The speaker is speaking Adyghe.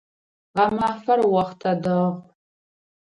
Гъэмафэр охътэ дэгъу.